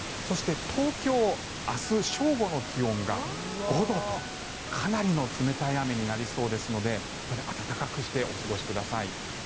そして、東京明日、正午の気温が５度とかなりの冷たい雨になりそうですので暖かくしてお過ごしください。